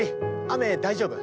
雨大丈夫？